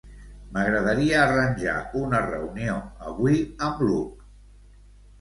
M'agradaria arranjar una reunió avui amb l'Hug.